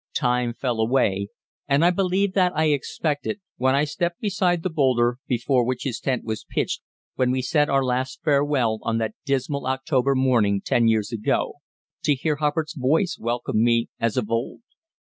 Time fell away, and I believe that I expected, when I stepped beside the boulder before which his tent was pitched when we said our last farewell on that dismal October morning ten years ago, to hear Hubbard's voice welcome me as of old.